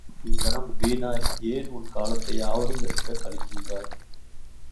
இங்கனம் வீணாய் ஏன் உன் காலத்தை யாவரும் வெறுக்கக் கழிக்கின்றாய்.